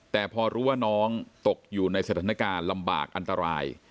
แต่พอรู้ว่าน้องตกอยู่ในสถานการณ์ลำบากอันตราย